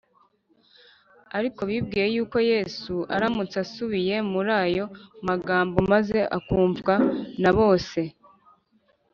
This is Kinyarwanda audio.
ariko bibwiye yuko yesu aramutse asubiye muri ayo magambo maze akumvwa na bose,